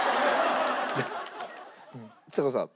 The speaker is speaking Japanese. ちさ子さん。